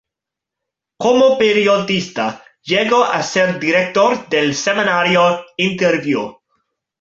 Como periodista, llegó a ser director del semanario "Interviú".